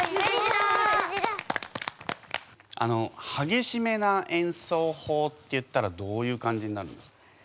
あのはげしめな演奏法っていったらどういう感じになるんですかね？